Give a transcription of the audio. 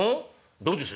どうです？